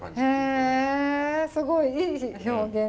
へえすごいいい表現ですよね。